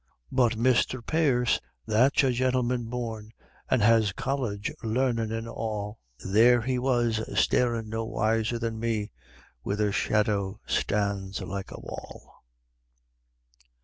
But Misther Pierce, that's a gintleman born, an' has college larnin' and all, There he was starin' no wiser than me where the shadow stands like a wall.